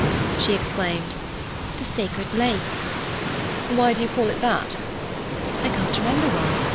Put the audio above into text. She exclaimed, "The Sacred Lake!" "Why do you call it that?" "I can't remember why.